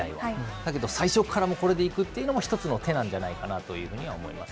だけど最初からもうこれでいくというのも、一つの手なんじゃないかなというふうには思います。